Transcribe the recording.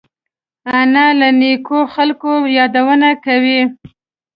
انا له نیکو خلقو یادونه کوي